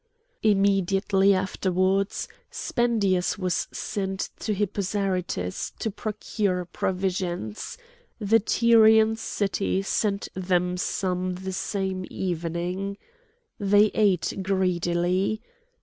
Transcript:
Immediately afterwards, Spendius was sent to Hippo Zarytus to procure provisions; the Tyrian city sent them some the same evening. They ate greedily.